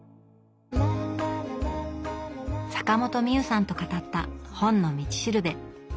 坂本美雨さんと語った「本の道しるべ」。